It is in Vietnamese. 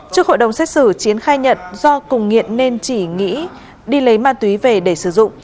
trước hội đồng xét xử chiến khai nhận do cùng nghiện nên chỉ nghĩ đi lấy ma túy về để sử dụng